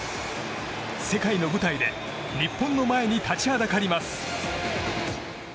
世界の舞台で日本の前に立ちはだかります。